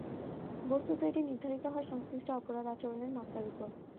বস্ত্তত এটি নির্ধারিত হয় সংশ্লিষ্ট অপরাধ আচরণের মাত্রার ওপর।